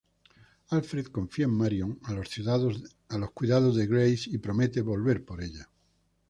Alfred confía a Marion a los cuidados de Grace, y promete volver por ella.